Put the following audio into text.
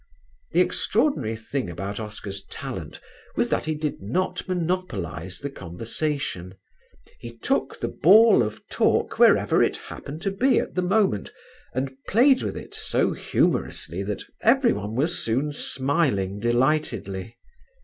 The extraordinary thing about Oscar's talent was that he did not monopolise the conversation: he took the ball of talk wherever it happened to be at the moment and played with it so humorously that everyone was soon smiling delightedly.